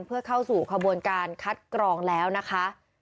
เพื่อเข้าสู่ขบวนการคัดกรองแล้วนะคะ